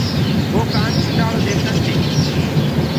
وو سوپيري ديکس تي۔